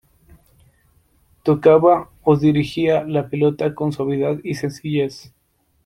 Tocaba o dirigía la pelota con suavidad y sencillez.